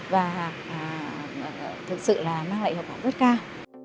và thực sự là mang lại hợp hợp rất cao